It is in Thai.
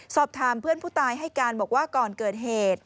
สอบถามเพื่อนผู้ตายให้การบอกว่าก่อนเกิดเหตุ